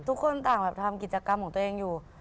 ทุกคนตามกิจกรรมของตัวเองอยู่